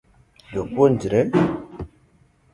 Jopuonjre